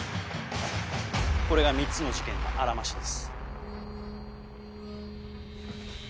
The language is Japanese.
これが３つの事件のあらましです。